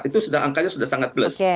itu angkanya sudah sangat plus